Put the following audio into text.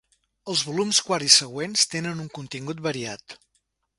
Els volums quart i següents tenen un contingut variat.